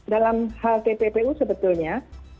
dalam hal tpu sebetulnya